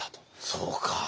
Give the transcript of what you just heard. そうか。